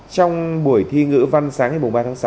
trong buổi thi ngữ văn sáng ngày ba tháng sáu